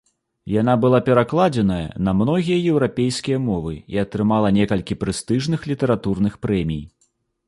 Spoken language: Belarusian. Яна была перакладзеная на многія еўрапейскія мовы і атрымала некалькі прэстыжных літаратурных прэмій.